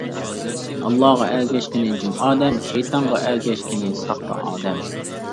ئاللاغا ئەگەشكىنى جىڭ ئادەم، شەيتانغا ئەگەشكىنى ساختا ئادەم.